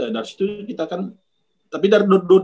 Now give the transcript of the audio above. ya dari situ kita kan tapi dari dua ribu dua dah